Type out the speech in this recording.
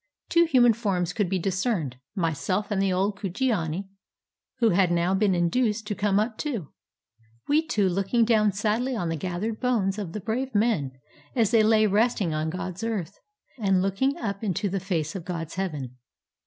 Two human forms could be discerned, myself and the old Kujiani, who had now been induced to come up too ; we two looking down sadly on the gathered bones of the brave men, as they lay resting on God's earth, and looking up into the face of God's heaven.